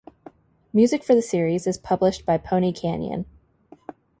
Music for the series is published by Pony Canyon.